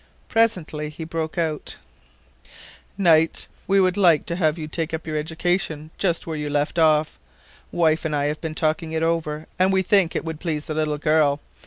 Presently he broke out: "Knight, we would like to have you take up your education just where you left off. Wife and I have been talking it over and we think it would please the little girl.